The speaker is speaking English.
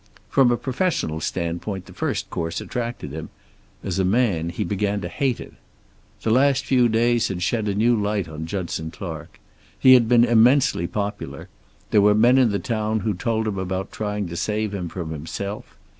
From a professional standpoint the first course attracted him, as a man he began to hate it. The last few days had shed a new light on Judson Clark. He had been immensely popular; there were men in the town who told about trying to save him from himself.